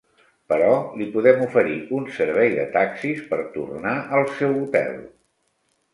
Però li podem oferir un servei de taxis per tornar al seu hotel.